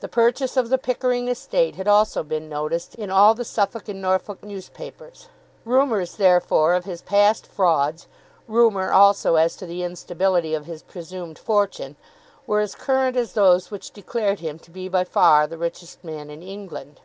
The purchase of the Pickering estate had also been noticed in all the Suffolk and Norfolk newspapers. Rumours, therefore, of his past frauds, rumour also as to the instability of his presumed fortune, were as current as those which declared him to be by far the richest man in England.